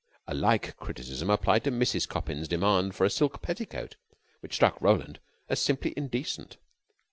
A like criticism applied to Mrs. Coppin's demand for a silk petticoat, which struck Roland as simply indecent.